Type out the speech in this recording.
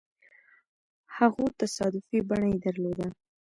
هغو تصادفي بڼه يې درلوده.